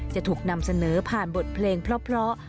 จะถูกนำเสนอผ่านบทเพลงเพราะ